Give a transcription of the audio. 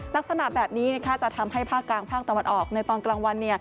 ลักษณะแบบนี้จะทำให้ภาคกลางภาคตะวันออกในตอนกลางวัน